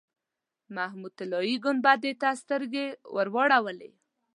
محمود طلایي ګنبدې ته سترګې واړولې.